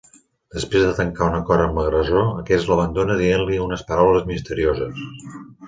Després de tancar un acord amb l'agressor, aquest l'abandona dient-li unes paraules misterioses.